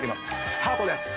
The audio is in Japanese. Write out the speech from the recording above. スタートです。